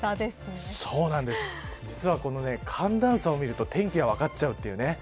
実はこの寒暖差を見ると天気が分かっちゃうというね。